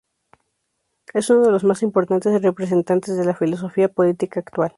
Es uno de los más importantes representantes de la filosofía política actual.